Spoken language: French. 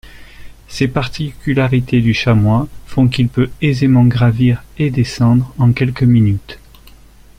Ces particularités du chamois font qu’il peut aisément gravir et descendre en quelques minutes.